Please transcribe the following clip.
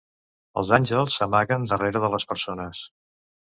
Els àngels s'amaguen, darrere de les persones.